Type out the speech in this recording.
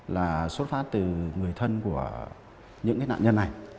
là xuất phát từ người thân của những nạn nhân này